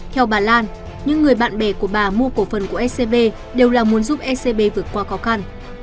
theo bà lan những người bạn bè của bà mua cổ phần của scb đều là muốn giúp ecb vượt qua khó khăn